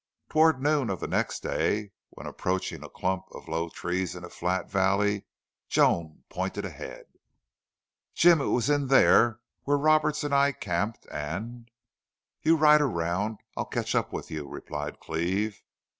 Toward noon of the next day, when approaching a clump of low trees in a flat valley, Joan pointed ahead. "Jim it was in there where Roberts and I camped and " "You ride around. I'll catch up with you," replied Cleve.